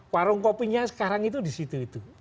warung kopinya sekarang itu disitu